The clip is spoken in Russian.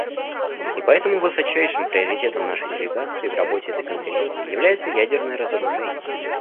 И поэтому высочайшим приоритетом нашей делегации в работе этой Конференции является ядерное разоружение.